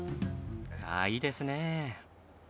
ああいいですね。